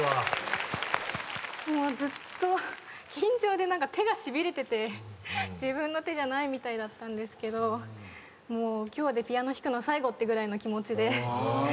ずっと緊張で手がしびれてて自分の手じゃないみたいだったんですけどもう今日でピアノ弾くの最後ってぐらいの気持ちで弾きました。